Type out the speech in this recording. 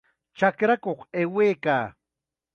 Chakrakuq aywaykaa.